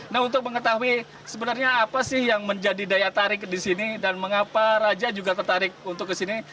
nah untuk mengetahui sebenarnya apa sih yang menjadi daya tarik di sini dan mengapa raja juga tertarik untuk kesini